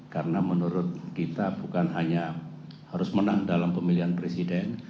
karena menurut kita bukan hanya harus menang dalam pemilihan presiden